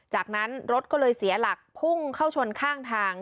จากนั้นรถก็เลยเสียหลักพุ่งเข้าชนข้างทาง